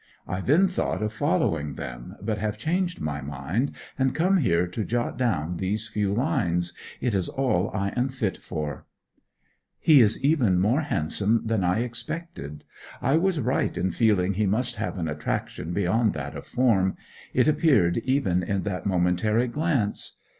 I then thought of following them, but have changed my mind, and come here to jot down these few lines. It is all I am fit for ... He is even more handsome than I expected. I was right in feeling he must have an attraction beyond that of form: it appeared even in that momentary glance.